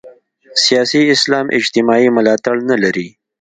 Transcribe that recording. سیاسي اسلام اجتماعي ملاتړ نه لري.